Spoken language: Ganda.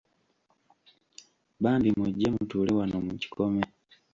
Bambi mujje mutuule wano mu kikome.